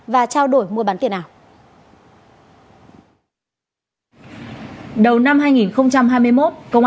và trao đổi mua bán tiền ảo